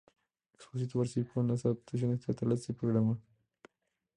Espósito participó en las adaptaciones teatrales del programa.